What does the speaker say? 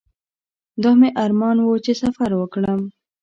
دا مې ارمان و چې سفر وکړم.